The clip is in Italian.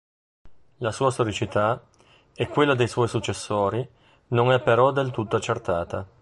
La sua storicità, e quella dei suoi successori, non è però del tutto accertata.